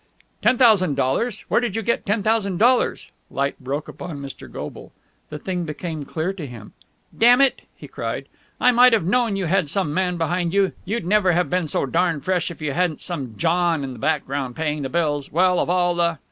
"Ten thousand dollars! Where did you get ten thousand dollars?" Light broke upon Mr. Goble. The thing became clear to him. "Damn it!" he cried. "I might have known you had some man behind you! You'd never have been so darned fresh if you hadn't had some John in the background, paying the bills! Well, of all the...."